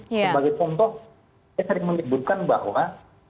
sebagai contoh saya sering menyebutkan bahwa